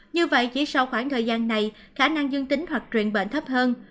như vậy chỉ sau khoảng thời gian này khả năng dương tính hoặc truyền bệnh thấp hơn